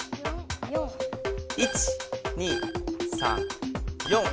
１２３４。